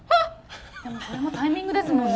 でもそれもタイミングですもんね。